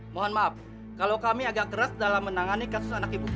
mohon maaf kalau kami agak keras dalam menangani kasus anak ibu kota